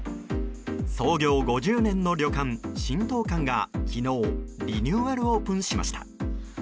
創業５０年の旅館、神湯館が昨日リニューアルオープンしました。